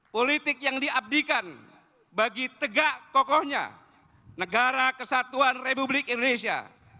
politik yang diabdikan bagi tegak kokohnya negara kesatuan republik indonesia